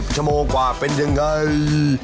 ชั่วโมงกว่าเป็นยังไง